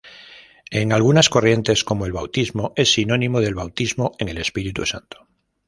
En algunas corrientes, como el bautismo, es sinónimo del bautismo en el Espíritu Santo.